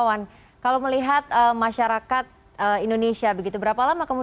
kudanya tiga multi problemal tampilan projet maininnya dengan relevan rambut